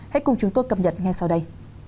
hãy cùng chúng tôi cập nhật ngay sau đây